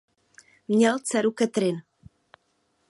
Měl dceru Catherine.